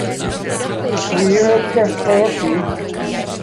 Wir yn gwerthfawrogi.